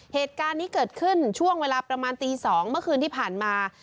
เหตุการณ์นี้เกิดขึ้นช่วงเวลาประมาณตี๒เมื่อคืนที่ผ่านมา